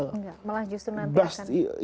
enggak malah justru menantikan